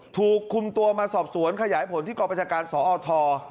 ถูกคุมตัวมาสอบสวนขยายผลที่กรประชาการสอท